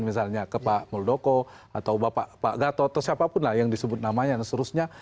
misalnya ke pak muldoko atau pak gatot atau siapapun lah yang disebut namanya dan seterusnya